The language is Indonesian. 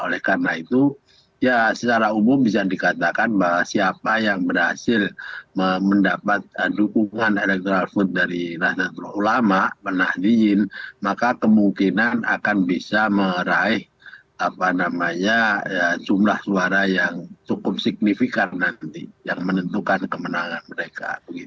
oleh karena itu ya secara umum bisa dikatakan bahwa siapa yang berhasil mendapat dukungan elektorat dari nahdlatul ulama penah diin maka kemungkinan akan bisa meraih apa namanya jumlah suara yang cukup signifikan nanti yang menentukan kemenangan mereka